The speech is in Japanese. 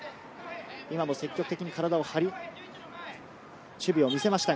今も積極的に体を張り、守備を見せました。